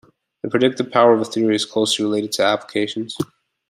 The predictive power of a theory is closely related to applications.